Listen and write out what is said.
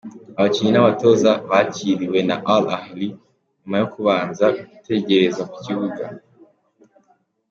Abakinnyi n' abatoza bakiriwe na Al Ahly nyuma yo kubanza gutegereza ku kibuga.